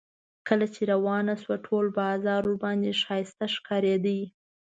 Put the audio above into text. کله چې روانه شوه ټول بازار ورباندې ښایسته ښکارېده.